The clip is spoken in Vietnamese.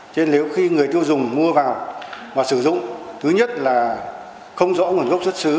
thế nên nếu khi người tiêu dùng mua vào và sử dụng thứ nhất là không rõ nguồn gốc xuất xứ